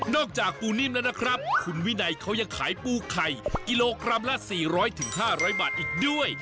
จากปูนิ่มแล้วนะครับคุณวินัยเขายังขายปูไข่กิโลกรัมละ๔๐๐๕๐๐บาทอีกด้วย